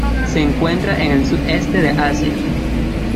Se encuentra en el sureste de Asia.